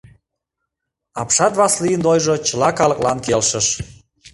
Апшат Васлийын ойжо чыла калыклан келшыш.